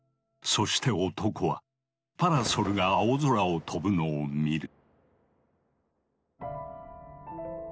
そして男はパラソルが青空を飛ぶのを見る。